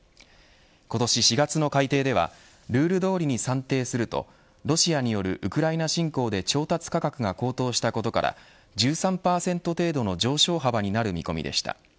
今年４月の改定ではルールどおりに算定するとロシアによるウクライナ侵攻で調達価格が高騰したことから１３％程度の上昇幅になる見込みでした。